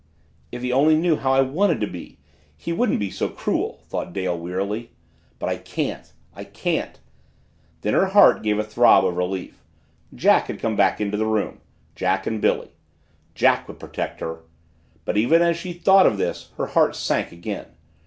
If he only knew how I wanted to be he wouldn't be so cruel, thought Dale wearily. But I can't I can't! Then her heart gave a throb of relief. Jack had come back into the room Jack and Billy Jack would protect her! But even as she thought of this her heart sank again.